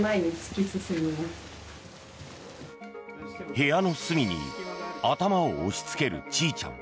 部屋の隅に頭を押しつけるちいちゃん。